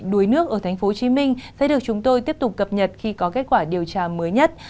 đuối nước ở tp hcm sẽ được chúng tôi tiếp tục cập nhật khi có kết quả điều tra mới nhất